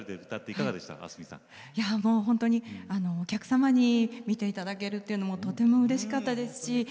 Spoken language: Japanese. いやもう本当にお客様に見ていただけるというのもとてもうれしかったですし